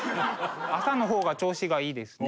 朝の方が調子がいいですね